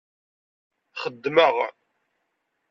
Xeddmeɣ.